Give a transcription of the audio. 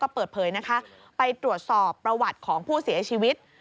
เปิดเผยนะคะไปตรวจสอบประวัติของผู้เสียชีวิต